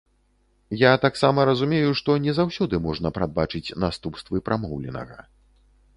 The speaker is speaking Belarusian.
Я таксама разумею, што не заўсёды можна прадбачыць наступствы прамоўленага.